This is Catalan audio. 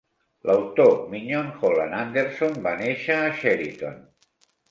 L'autor Mignon Holland Anderson va néixer a Cheriton.